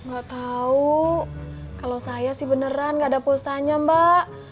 gak tau kalo saya sih beneran gak ada posanya mbak